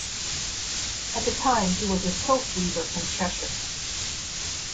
At the time he was a silk weaver from Cheshire.